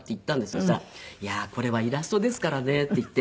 そしたら「これはイラストですからね」って言って。